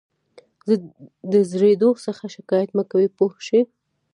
د زړېدو څخه شکایت مه کوه پوه شوې!.